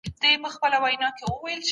خو د ده سوې نارې